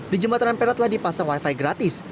di jembatan ampera telah dipasang wifi gratis